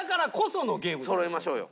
そろえましょうよ。